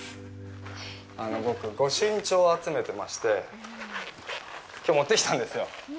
僕、ご朱印帳を集めてまして、きょう持ってきたんですよ。